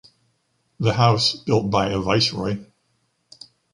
the house, built by a viceroy